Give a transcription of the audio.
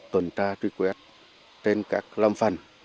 tuần tra truy quét trên các lâm phần